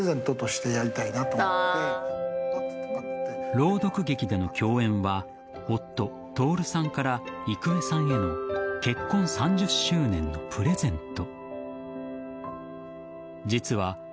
朗読劇での共演は夫・徹さんから郁恵さんへの結婚３０周年のプレゼント。